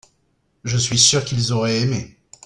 je suis sûr qu'ils auraient aimé.